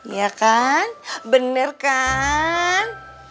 iya kan bener kan